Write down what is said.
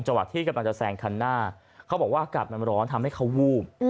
วัดที่กำลังจะแซงคันหน้าเขาบอกว่าอากาศมันร้อนทำให้เขาวูบ